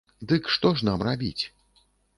Дык што ж нам рабіць?